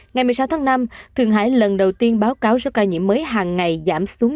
ngày một mươi sáu tháng năm thượng hải lần đầu tiên báo cáo số ca nhiễm mới hàng ngày giảm xuống